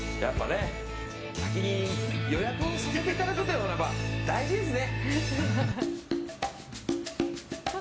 先に予約をさせていただくのがやっぱ大事ですね。